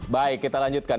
baik kita lanjutkan